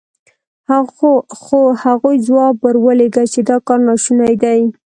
خو هغوی ځواب ور ولېږه چې دا کار ناشونی دی.